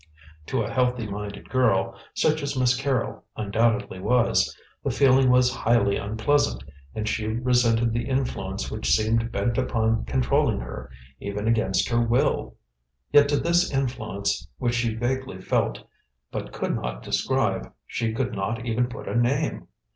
To a healthy minded girl, such as Miss Carrol undoubtedly was, the feeling was highly unpleasant, and she resented the influence which seemed bent upon controlling her, even against her will. Yet to this influence which she vaguely felt, but could not describe, she could not even put a name.